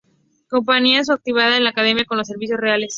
Compagina su actividad en la academia con los servicios reales.